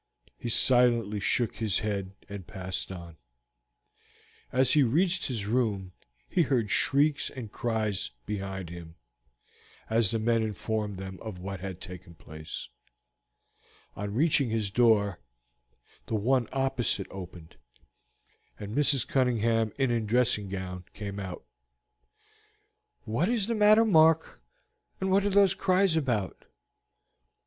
He silently shook his head and passed on. As he reached his room he heard shrieks and cries behind him, as the men informed them of what had taken place. On reaching his door, the one opposite opened, and Mrs. Cunningham in a dressing gown came out. "What is the matter, Mark, and what are these cries about?"